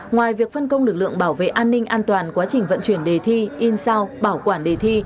ngoài việc phân công lực lượng bảo vệ an ninh an toàn quá trình vận chuyển đề thi in sao bảo quản đề thi